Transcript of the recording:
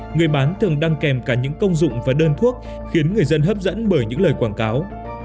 người bán thường đăng kèm cả những công dụng và đơn thuốc khiến người dân hấp dẫn bởi những lời quảng cáo